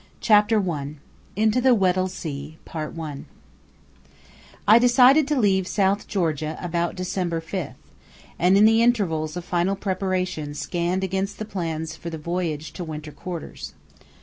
CHAPTER I INTO THE WEDDELL SEA I decided to leave South Georgia about December 5, and in the intervals of final preparation scanned again the plans for the voyage to winter quarters.